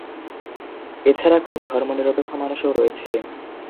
এছাড়া খুব ধর্মনিরপেক্ষ মানুষও রয়েছে।